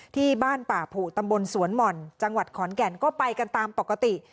ที่บ้านป่าผูตำบลสวนหม่อนจังหวัดขอนแก่นก็ไปกันตามปกติ